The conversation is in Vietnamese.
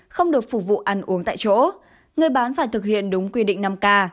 không được phục vụ ăn uống tại chỗ người bán phải thực hiện đúng quy định năm k